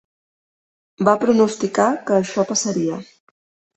Va pronosticar que això passaria.